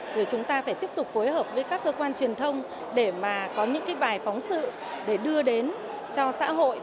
rồi chúng ta phải tiếp tục phối hợp với các cơ quan truyền thông để mà có những cái bài phóng sự để đưa đến cho xã hội